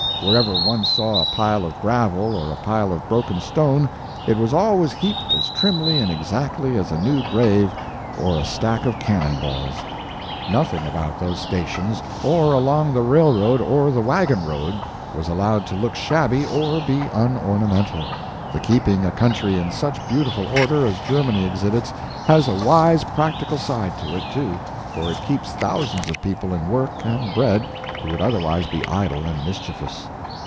Wherever one saw a pile of gravel or a pile of broken stone, it was always heaped as trimly and exactly as a new grave or a stack of cannon balls; nothing about those stations or along the railroad or the wagon road was allowed to look shabby or be unornamental. The keeping a country in such beautiful order as Germany exhibits, has a wise practical side to it, too, for it keeps thousands of people in work and bread who would otherwise be idle and mischievous.